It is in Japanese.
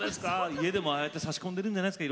家でもああやって差し込んでるんじゃないですか。